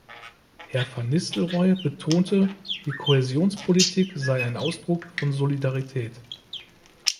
Herr van Nistelrooij betonte, die Kohäsionspolitik sei ein Ausdruck von Solidarität.